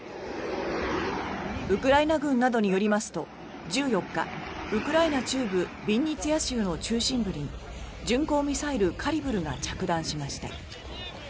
ウクライナ軍などによりますと１４日ウクライナ中部ビンニツィア州の中心部に巡航ミサイル、カリブルが着弾しました。